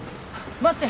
待って！